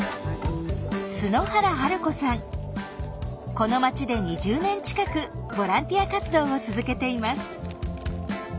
この町で２０年近くボランティア活動を続けています。